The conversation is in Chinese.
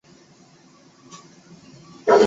古老的街道并排。